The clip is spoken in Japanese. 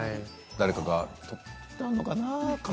誰かがとったのかなあ。